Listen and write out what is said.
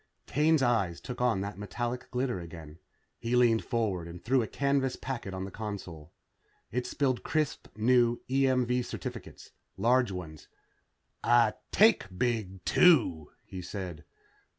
Kane's eyes took on that metallic glitter again. He leaned forward and threw a canvas packet on the console. It spilled crisp new EMV certificates. Large ones. "I take big, too," he said.